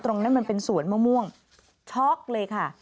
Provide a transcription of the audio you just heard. ตรงนั้นมันเป็นสวนมะม่วงช็อกเลยค่ะ